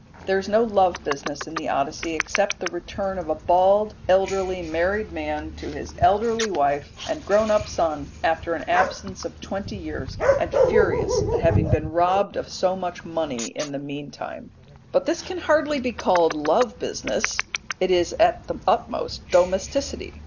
There is no love business in the Odyssey except the return of a bald elderly married man to his elderly wife and grown up son after an absence of twenty years, and furious at having been robbed of so much money in the meantime. But this can hardly be called love business; it is at the utmost domesticity.